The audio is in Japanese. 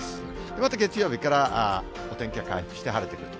また月曜日からお天気は回復して晴れてくると。